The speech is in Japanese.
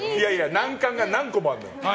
難関が何個もあるのよ。